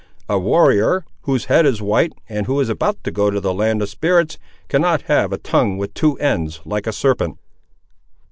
A warrior, whose head is white, and who is about to go to the Land of Spirits, cannot have a tongue with two ends, like a serpent."